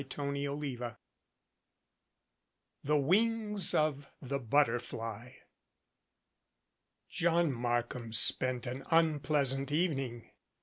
CHAPTER XXIV THE WINGS OF THE BUTTERFLY JOHN MARKHAM spent an unpleasant evening.